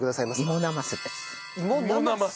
いもなますです。